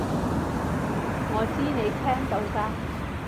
我知你聽到㗎